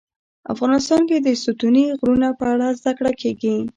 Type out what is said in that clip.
افغانستان کې د ستوني غرونه په اړه زده کړه کېږي.